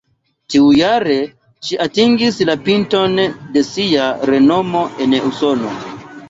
Tiujare ŝi atingis la pinton de sia renomo en Usono.